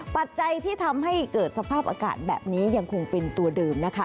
ปัจจัยที่ทำให้เกิดสภาพอากาศแบบนี้ยังคงเป็นตัวเดิมนะคะ